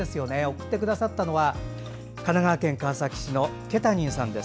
送ってくださったのは神奈川県川崎市のけたにんさん。